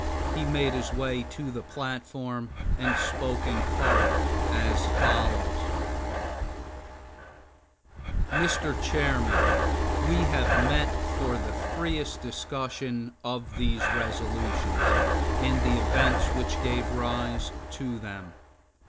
He made his way to the platform and spoke in part as follows: Mr. Chairman, We have met for the freest discussion of these resolutions, and the events which gave rise to them.